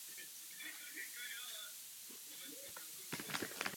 Pro informatiku jsou identifikátory naprosto klíčové.